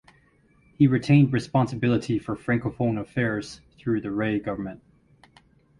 He retained responsibility for Francophone Affairs throughout the Rae government.